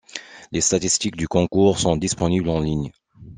Les statistiques du concours sont disponibles en ligne.